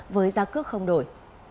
với giá cước không đổi